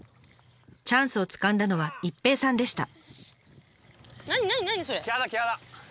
チャンスをつかんだのは一平さんでした。